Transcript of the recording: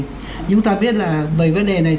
nhưng chúng ta biết là về vấn đề này